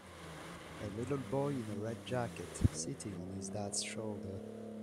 A little boy in a red jacket sitting on his dads shoulder.